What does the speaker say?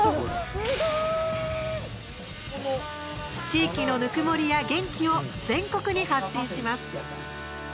地域のぬくもりや元気を全国に発信します。